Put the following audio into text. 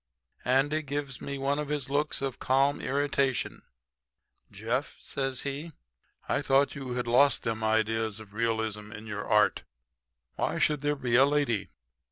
"Andy gives me one of his looks of calm irritation. "'Jeff,' says he, 'I thought you had lost them ideas of realism in your art. Why should there be a lady?